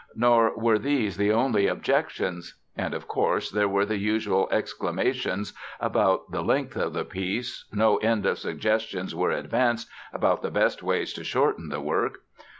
Nor were these the only objections. And, of course, there were the usual exclamations about the length of the piece, no end of suggestions were advanced about the best ways to shorten the work.